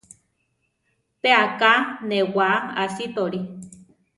Pe aká newáa asítoli.